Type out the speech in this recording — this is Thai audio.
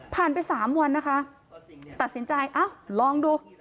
ผ่านไป๓วันนะคะตัดสินใจเอ้าลองดู